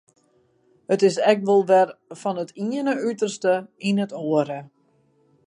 It is ek wol wer fan it iene uterste yn it oare.